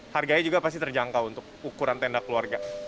harganya juga pasti terjangkau untuk ukuran tenda keluarga